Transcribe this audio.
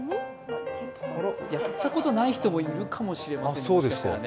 やったことない人もいるかもしれませんね。